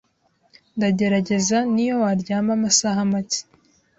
Ndagerageza niyo waryama amasaha make